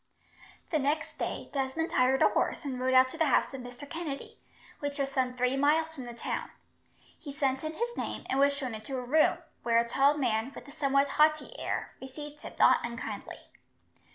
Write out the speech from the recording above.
The next day, Desmond hired a horse and rode out to the house of Mr. Kennedy, which was some three miles from the town. He sent in his name, and was shown into a room, where a tall man, with a somewhat haughty air, received him not unkindly.